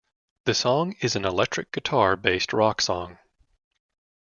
The song is an electric guitar-based rock song.